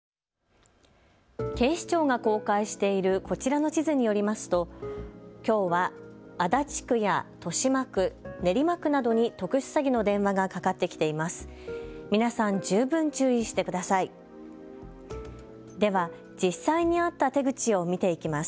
警視庁が公開しているこちらの地図によりますときょうは足立区や豊島区、練馬区などに特殊詐欺の電話がかかってきています。